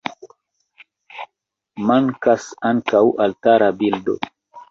Mankas ankaŭ altara bildo.